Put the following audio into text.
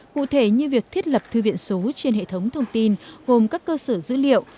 cụ thể như việc thiết lập thư viện số trên hệ thống thông tin gồm các cơ sở dữ liệu